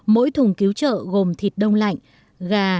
mỗi thùng cứu trợ gồm thịt đông lạnh gà